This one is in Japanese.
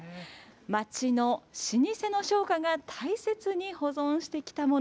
街の老舗の商家が大切に保存してきたもの。